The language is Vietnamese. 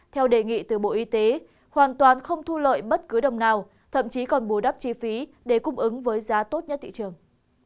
theo đề nghị từ bộ y tế hoàn toàn không thu lợi bất cứ đồng nào thậm chí còn bù đắp chi phí để cung ứng với giá tốt nhất thị trường